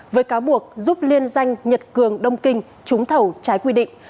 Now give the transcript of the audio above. với cáo buộc giúp liên danh nhật cường đông kinh trúng thầu trái quy định